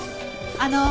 あの。